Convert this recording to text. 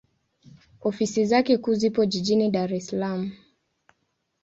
Ofisi zake kuu zipo Jijini Dar es Salaam.